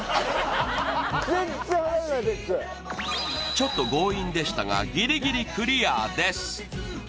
ちょっと強引でしたがギリギリクリアです